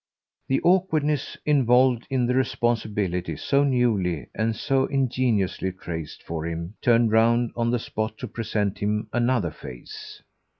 The awkwardness involved in the responsibility so newly and so ingeniously traced for him turned round on the spot to present him another face.